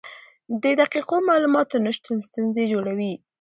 د دقیقو معلوماتو نشتون ستونزې جوړوي.